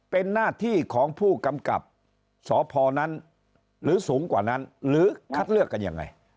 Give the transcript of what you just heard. เป็นหน้าที่ของผู้กำกับสพนั้นหรือสูงกว่านั้นหรือคัดเลือกกันยังไง